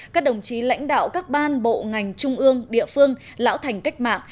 các đồng chí lãnh đạo các ban bộ ngành trung ương địa phương lão thành cách mạng